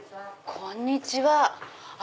こんにちは。